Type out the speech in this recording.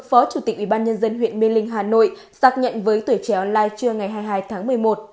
phó chủ tịch ủy ban nhân dân huyện mê linh hà nội xác nhận với tuổi trẻ online trưa ngày hai mươi hai tháng một mươi một